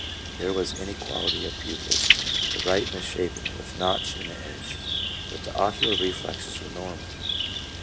There was inequality of pupils, the right misshapen with notch in the edge, but the occular reflexes were normal.